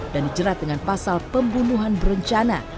dan dijerat dengan pasal pembunuhan berencana